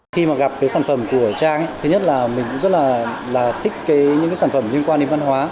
khi mà gặp cái sản phẩm của trang ấy thứ nhất là mình cũng rất là thích cái những cái sản phẩm này